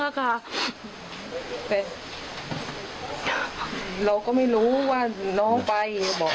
เราก็ไม่รู้ว่าน้องไป